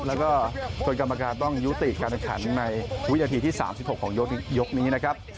แล้วก็จนกรรมการต้องยุติการแข่งขันในวินาทีที่๓๖ของยกนี้นะครับ